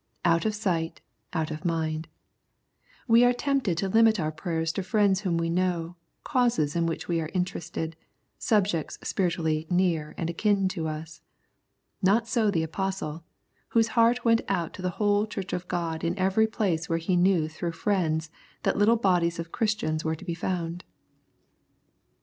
" Out of sight, out of mind." We are tempted to limit our prayers to friends whom we know, causes in which we are interested, subjects spiritually near and akin to us. Not so the Apostle, whose heart went out to the whole Church of God in every place where he knew through friends that little bodies of Christians were to be found.